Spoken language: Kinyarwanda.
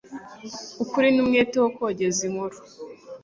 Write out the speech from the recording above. ukuri n'umwete wo kogeza inkuru